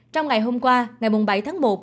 trong ngày hôm qua ngày mùng bảy tháng một